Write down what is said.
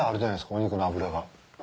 お肉の脂が。